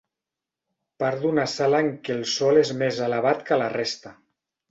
Part d'una sala en què el sòl és més elevat que la resta.